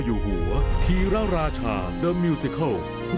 สังพรีสามารถในวงงานก้าวไกล